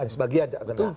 sebagian tidak kena